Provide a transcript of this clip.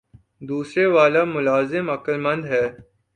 دوسرے والا ملازم عقلمند ہے